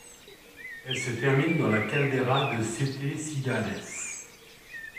Elle se termine dans la caldeira de Sete Cidades.